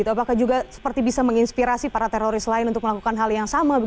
apakah juga seperti bisa menginspirasi para teroris lain untuk melakukan hal yang sama